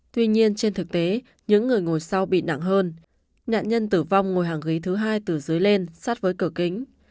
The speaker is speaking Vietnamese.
tuy nhiên trên thực tế những người ngồi sau bị nặng hơn nạn nhân tử vong ngồi hàng ghế thứ hai từ dưới lên sát với cửa kính